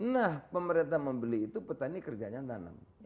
nah pemerintah membeli itu petani kerjanya nanam